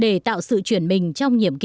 để tạo sự chuyển mình trong nhiệm kỳ tới